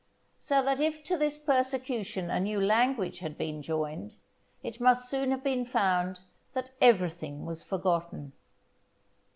So that if to this persecution a new language had been joined, it must soon have been found that everything was forgotten.